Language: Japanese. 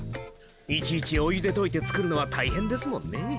いちいちお湯で溶いて作るのは大変ですもんね。